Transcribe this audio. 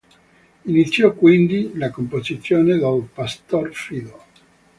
Iniziò quindi la composizione del "Pastor fido".